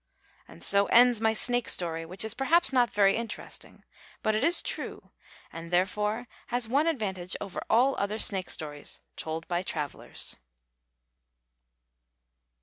And so ends my snake story, which is perhaps not very interesting; but it is true, and therefore has one advantage over all other snake stories told by travellers.